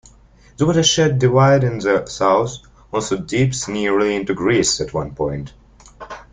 The watershed divide in the south also dips nearly into Greece at one point.